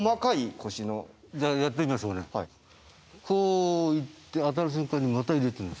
こう打って当たる瞬間にまた入れてるんです。